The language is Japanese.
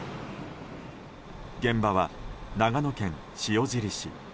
現場は長野県塩尻市。